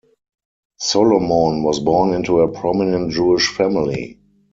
Solomon was born into a prominent Jewish family.